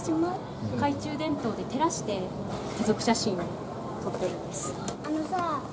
懐中電灯で照らして家族写真を撮ってるんです。